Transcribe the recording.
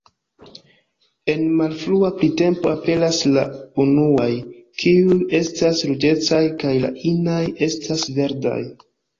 En malfrua printempo aperas la unuaj; kiuj estas ruĝecaj kaj la inaj estas verdaj.